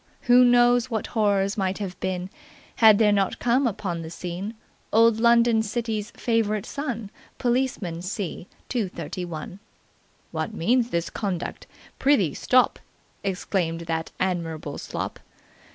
Who knows what horrors might have been, had there not come upon the scene old London city's favourite son, Policeman C. 231. 'What means this conduct? Prithee stop!' exclaimed that admirable slop.